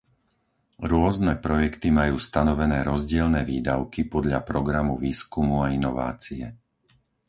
Rôzne projekty majú stanovené rozdielne výdavky podľa programu výskumu a inovácie.